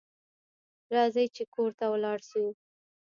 راځئ چې کور ته ولاړ شو